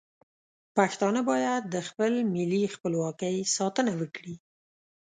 پښتانه باید د خپل ملي خپلواکۍ ساتنه وکړي.